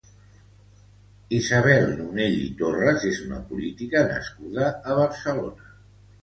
Isabel Nonell i Torras és una política nascuda a Barcelona.